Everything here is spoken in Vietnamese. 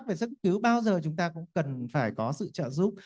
chúng ta sẽ chăm sóc về sức cứu bao giờ chúng ta cũng cần phải có sự trợ giúp